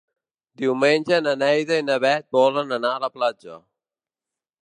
Diumenge na Neida i na Bet volen anar a la platja.